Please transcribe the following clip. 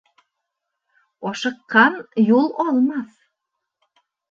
Ашыҡҡан юл алмаҫ.